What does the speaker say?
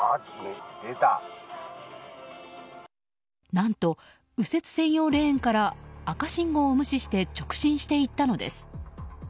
何と、右折専用レーンから赤信号を無視して直進して行ったのです。